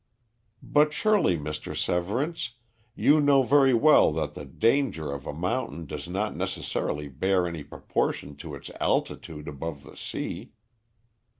"But surely, Mr. Severance, you know very well that the danger of a mountain does not necessarily bear any proportion to its altitude above the sea."